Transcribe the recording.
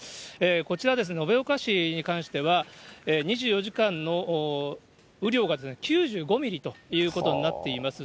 こちら、延岡市に関しては２４時間の雨量が９５ミリということになっています。